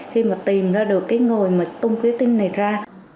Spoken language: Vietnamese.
khi mà tìm ra được cái người mà tung cái tin này ra